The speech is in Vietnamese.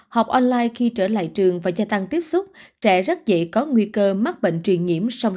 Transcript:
học online khi trở lại trường và gia tăng tiếp xúc trẻ rất dễ có nguy cơ mắc bệnh truyền nhiễm